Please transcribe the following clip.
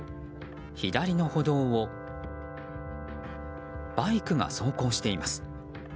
左の歩道をバイクが走行しています。